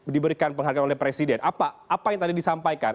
diberikan penghargaan oleh presiden apa yang tadi disampaikan